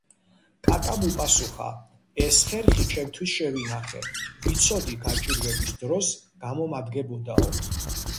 კატამ უპასუხა: ეს ხერხი ჩემთვის შევინახე, ვიცოდი გაჭირვების დროს გამომადგებოდაო.